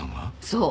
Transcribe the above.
そう。